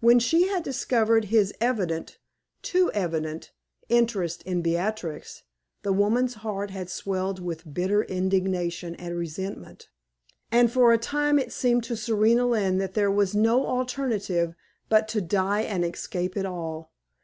When she had discovered his evident too evident interest in Beatrix, the woman's heart had swelled with bitter indignation and resentment, and for a time it had seemed to Serena Lynne that there was no alternative but to die and escape it all.